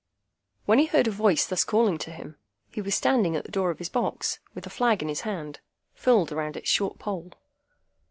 When he heard a voice thus calling to him, he was standing at the door of his box, with a flag in his hand, furled round its short pole.